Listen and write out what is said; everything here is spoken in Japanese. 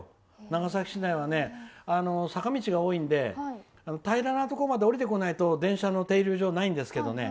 長崎市内は、坂道が多いので平らなところまで降りてこないと電車の停留所がないんですけどね。